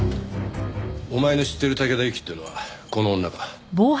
お前の知ってる竹田ユキっていうのはこの女か？